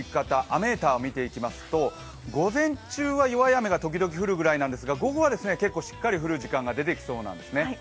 雨ーターを見ていきますと午前中は弱い雨が時々降るぐらいなんですが午後は結構しっかり降る時間が出てきそうなんですね。